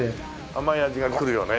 甘い味がくるよね。